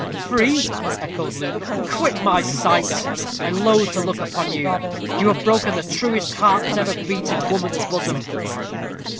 "Free!" echoed Luke. "Quit my sight; I loathe to look upon you. You have broken the truest heart that ever beat in woman's bosom."